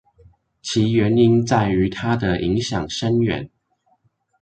其原因在於它的影響深遠